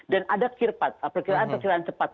dan ada kira kiraan kiraan cepat